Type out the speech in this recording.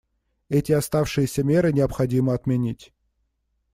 Эти оставшиеся меры необходимо отменить.